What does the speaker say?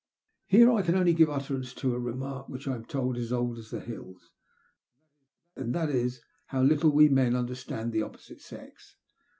Here I can only give utterance to a remark which, I am told, is as old as the hills— and that is, how little we men understand the opposite sex.